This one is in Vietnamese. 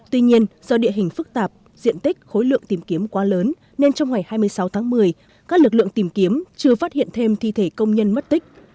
tuy nhiên do địa hình phức tạp diện tích khối lượng tìm kiếm quá lớn nên trong ngày hai mươi sáu tháng một mươi các lực lượng tìm kiếm chưa phát hiện thêm thi thể công nhân mất tích